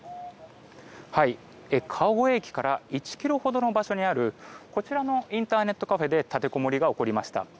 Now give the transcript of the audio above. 川越駅から１ｋｍほどの場所にあるこちらのインターネットカフェで立てこもりが起こりました。